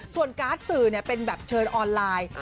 ส่วนการ์ดสื่อเป็นแบบเชิญออนไลน์